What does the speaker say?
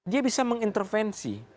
dia bisa mengintervensi